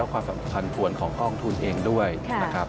สำหรับผันผวนของกองทุนเองด้วยนะครับ